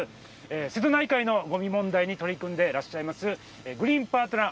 瀬戸内海のごみ問題に取り組んでいらっしゃいますグリーンパートナー